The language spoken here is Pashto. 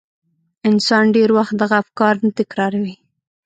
انسان ډېر وخت دغه افکار نه تکراروي.